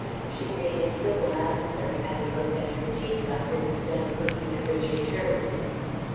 She made a civil answer; and looked at her tea cup, instead of looking at Richard Turlington.